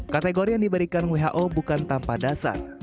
kategori yang diberikan who bukan tanpa dasar